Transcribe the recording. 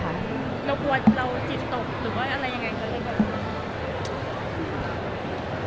แล้วควรเราจิตตกหรือว่าอะไรยังไงค่ะ